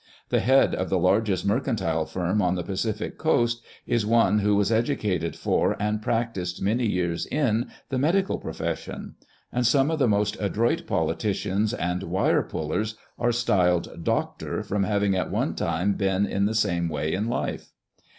The head of the largest mercantile firm on the Pacific Coast, is one who was educated for, and practised many years in, the medical pro fession ; and some of the most adroit politicians and " wire pullers," are styled " Doctor" from having at one time been in the same way in life.